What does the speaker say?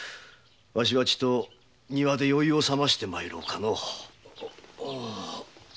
わしはちと庭で酔いを醒まして参ろうかの。